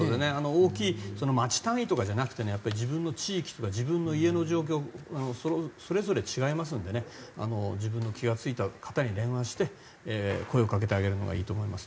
大きい町単位とかじゃなくて自分の地域とか自分の家の状況それぞれ違いますので自分の気が付いた方に電話して声をかけてあげるのがいいと思います。